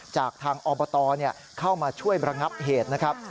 จากทางอบตเข้ามาช่วยระงับเหตุนะครับ